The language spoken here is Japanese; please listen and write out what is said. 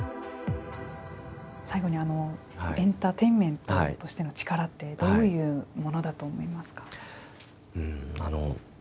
最後にエンターテインメントとしての力ってどういうものだと思いますか。